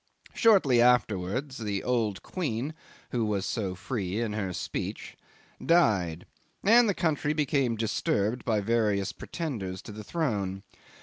Shortly afterwards the old queen, who was so free in her speech, died, and the country became disturbed by various pretenders to the throne.